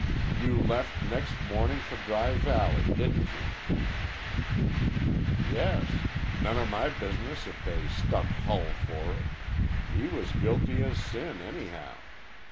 "You left next mornin' for Dry Valley, didn't you?" "Yes. None o' my business if they stuck Hull for it. He was guilty as sin, anyhow.